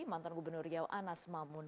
mantan gubernur riau anas mamun